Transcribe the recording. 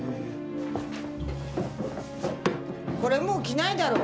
これもう着ないだろ。